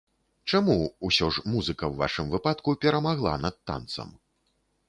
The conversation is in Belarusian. Чаму, усё ж, музыка ў вашым выпадку перамагла над танцам?